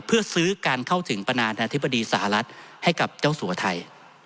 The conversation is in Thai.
เพื่อซื้อการเข้าถึงประธานาธิบดีสหรัฐให้กับเจ้าสัวไทย